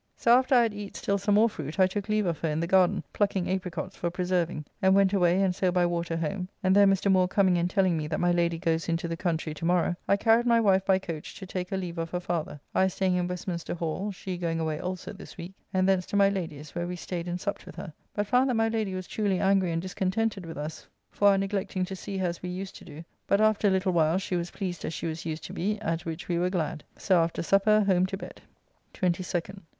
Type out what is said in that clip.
So after I had eat still some more fruit I took leave of her in the garden plucking apricots for preserving, and went away and so by water home, and there Mr. Moore coming and telling me that my Lady goes into the country to morrow, I carried my wife by coach to take her leave of her father, I staying in Westminster Hall, she going away also this week, and thence to my Lady's, where we staid and supped with her, but found that my Lady was truly angry and discontented with us for our neglecting to see her as we used to do, but after a little she was pleased as she was used to be, at which we were glad. So after supper home to bed. 22d.